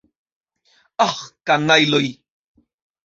Aĥ, kanajloj!